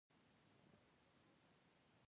د افغان معماری بڼه تاریخي ده.